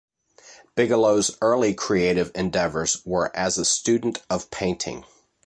Bigelow's early creative endeavors were as a student of painting.